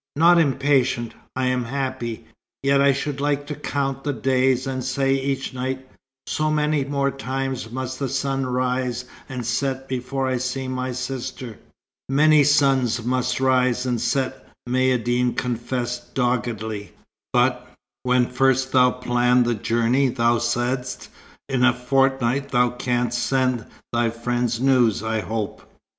"Not impatient. I am happy. Yet I should like to count the days, and say each night, 'So many more times must the sun rise and set before I see my sister.'" "Many suns must rise and set," Maïeddine confessed doggedly. "But when first thou planned the journey, thou saidst; 'In a fortnight thou canst send thy friends news, I hope.'"